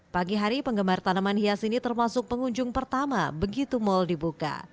pagi hari penggemar tanaman hias ini termasuk pengunjung pertama begitu mal dibuka